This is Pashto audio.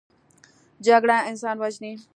جګړه انسان وژني